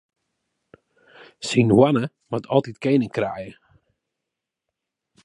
Syn hoanne moat altyd kening kraaie.